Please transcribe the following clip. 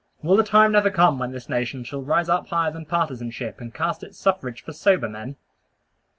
Will the time never come when this nation shall rise up higher than partisanship, and cast its suffrage for sober men?